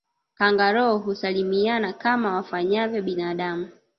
Kangaroo husalimiana kama wafanyavyo binadamu